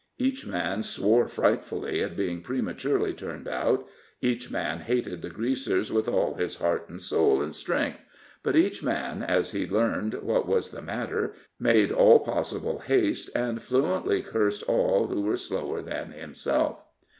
Each man swore frightfully at being prematurely turned out each man hated the Greasers with all his heart and soul and strength; but each man, as he learned what was the matter, made all possible haste, and fluently cursed all who were slower than himself.